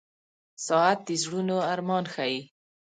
• ساعت د زړونو ارمان ښيي.